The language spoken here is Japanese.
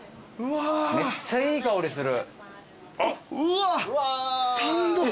めっちゃいい香りする。